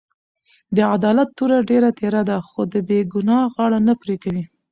د عدالت توره ډېره تېره ده؛ خو د بې ګناه غاړه نه پرې کوي.